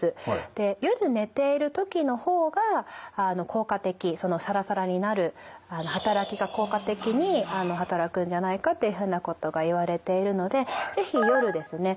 で夜寝ている時の方が効果的サラサラになる働きが効果的に働くんじゃないかっていうふうなことがいわれているので是非夜ですね